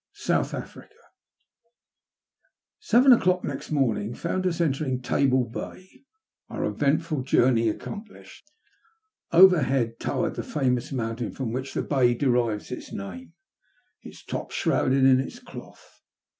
SOUTH AFEICA* SEVEN o'clock next moming found ua entering Table Bay, our eventful journey accomplifihed. Overhead towered the famous mountain from which the Bay derives its name, its top shrouded in its cloth.